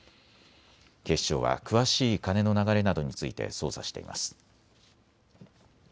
警視庁は詳しい金の流れなどについて捜査しています。